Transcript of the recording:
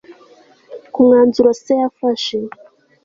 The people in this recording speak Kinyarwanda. kumwanzuro se yafashe